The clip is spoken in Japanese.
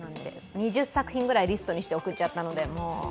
２０作品ぐらいリストにして送っちゃったので。